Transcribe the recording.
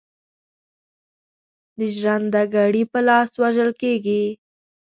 د ژرند ګړي په لاس وژل کیږي.